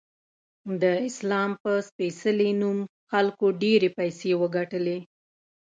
د اسلام په سپیڅلې نوم خلکو ډیرې پیسې وګټلی